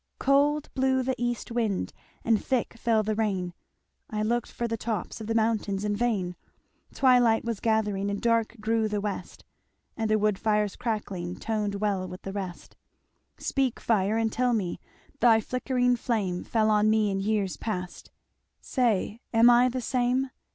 "Cold blew the east wind And thick fell the rain, I looked for the tops Of the mountains in vain; Twilight was gathering And dark grew the west, And the woodfire's crackling Toned well with the rest. "Speak fire and tell me Thy flickering flame Fell on me in years past Say, am I the same?